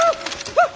あっ！